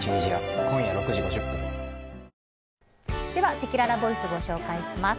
せきららボイスご紹介します。